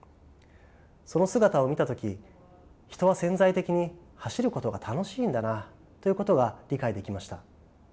その姿を見た時人は潜在的に走ることが楽しいんだなということが理解できました。